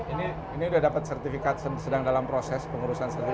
ini ini udah dapat sertifikat sedang dalam proses pengurusan sertifikat